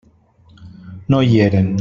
No hi eren.